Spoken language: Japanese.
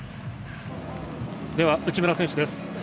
では、内村選手です。